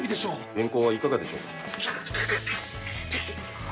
原稿はいかがでしょうか。